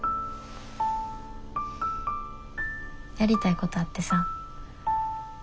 やりたいことあってさ。